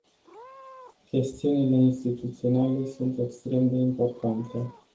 Chestiunile instituționale sunt extrem de importante.